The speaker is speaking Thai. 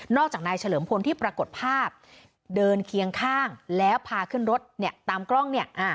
นอกจากนายเฉลิมพลที่ปรากฎภาพเดินเคียงข้างแล้วพาขึ้นรถตามกล้อง